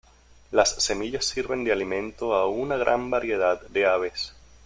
Las semillas sirven de alimento a una gran variedad de aves.